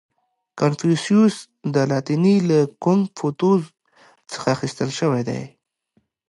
• کنفوسیوس د لاتیني له کونګ فو تزو څخه اخیستل شوی دی.